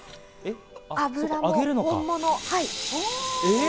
油も本物。